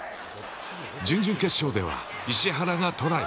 準々決勝では石原がトライ。